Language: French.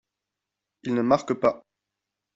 Il ne marque pas.